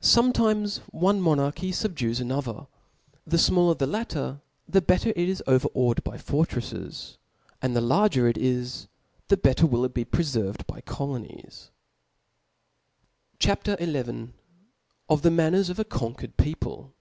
COMETIMES One monarchy fubdoes an ^ other, The fihaller the latter*, the better it is over awed by fortrelTes ; and the larger it is, the betcer will it be preferved by colonies; triAPl C P L A W S^. 26f CHAP, XL Of the Manners of a conquered People.